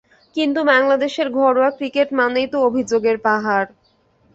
কিন্তু বাংলাদেশের ঘরোয়া ক্রিকেট মানেই তো অভিযোগের পাহাড়।